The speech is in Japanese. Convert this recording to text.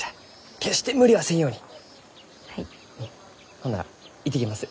ほんなら行ってきます。